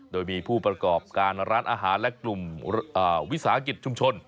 โดยมีผู้ประกอบการร้านอาหารและกลุ่มวิสาหกิจชุมชน